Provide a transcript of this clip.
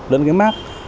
đỡn cái mát